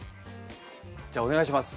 じゃあお願いします。